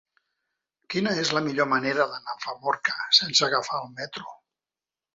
Quina és la millor manera d'anar a Famorca sense agafar el metro?